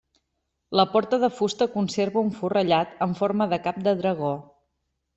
La porta de fusta conserva un forrellat amb forma de cap de dragó.